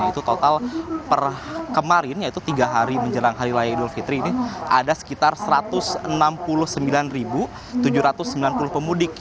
yaitu total per kemarin yaitu tiga hari menjelang hari raya idul fitri ini ada sekitar satu ratus enam puluh sembilan tujuh ratus sembilan puluh pemudik